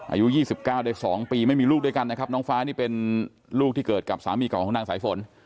อายุ๒๙ได้๒ปีไม่มีลูกด้วยกันนะครับน้องฟ้านี่เป็นลูกที่เกิดกับสามีเก่าของนางสายฝน